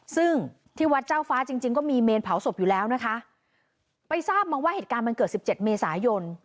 ซึ่งที่วัดเจ้าฟ้าจริงจริงก็มีเมนเผาศพอยู่แล้วนะคะไปทราบมาว่าเหตุการณ์มันเกิดสิบเจ็ดเมษายน